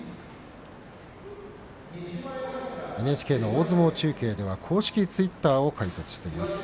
ＮＨＫ大相撲中継では公式ツイッターを開設しています。